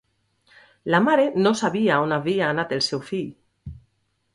La mare no sabia on havia anat el seu fill...